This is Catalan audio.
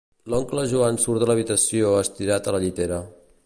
L'oncle Joan surt de l'habitació estirat a la llitera.